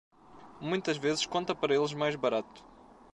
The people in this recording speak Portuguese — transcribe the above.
Muitas vezes, conta para eles mais barato